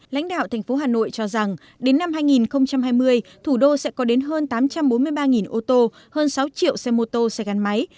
lãnh đạo thành phố hà nội cho rằng đến năm hai nghìn hai mươi thủ đô sẽ có đến hơn tám trăm bốn mươi ba ô tô hơn sáu triệu xe mô tô xe gắn máy